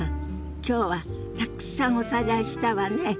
今日はたくさんおさらいしたわね。